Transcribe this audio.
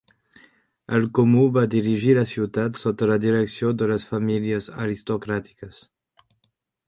El comú va dirigir la ciutat sota la direcció de les famílies aristocràtiques.